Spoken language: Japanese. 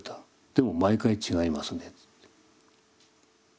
「でも毎回違いますね」。